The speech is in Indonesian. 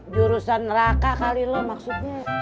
jurusan neraka kali lo maksudnya